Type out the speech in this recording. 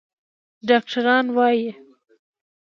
ډاکتران وايي